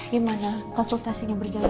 gimana konsultasinya berjalan jalan